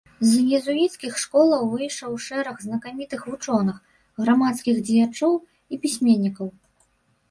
З езуіцкіх школаў выйшаў шэраг знакамітых вучоных, грамадскіх дзеячаў і пісьменнікаў.